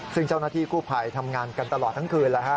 ซึ่งเจ้าหน้าที่กู้ภัยทำงานกันตลอดทั้งคืน